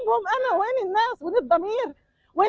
di mana kemanusiaan